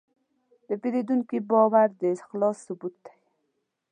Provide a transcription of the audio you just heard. د پیرودونکي باور د اخلاص ثبوت دی.